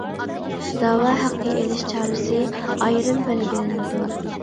دەۋا ھەققى ئېلىش چارىسى ئايرىم بەلگىلىنىدۇ.